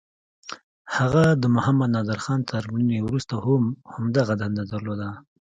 هغه د محمد نادرخان تر مړینې وروسته هم همدغه دنده درلوده.